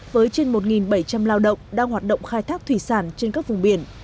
với trên một bảy trăm linh lao động đang hoạt động khai thác thủy sản trên các vùng biển